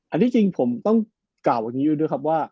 อันนี้จริงผมต้องกล่าวว่า